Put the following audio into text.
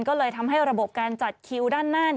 ก็เลยทำให้ระบบการจัดคิวด้านหน้า